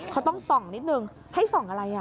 เขาต้องส่องนิดนึงให้ส่องอะไร